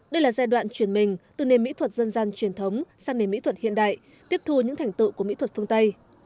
đây là giai đoạn chuyển mình từ nền mỹ thuật dân gian truyền thống sang nền mỹ thuật hiện đại tiếp thu những thành tựu của mỹ thuật phương tây